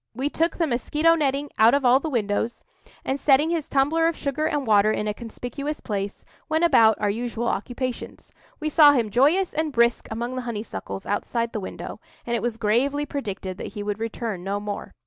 We took the mosquito netting, out of all the windows, and, setting his tumbler of sugar and water in a conspicuous place, went about our usual occupations. We saw him joyous and brisk among the honeysuckles outside the window, and it was gravely predicted that he would return no more.